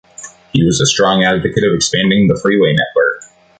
He was a strong advocate of expanding the freeway network.